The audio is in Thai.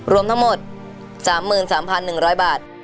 รวมทั้งหมด๓๓๑๐๐บาท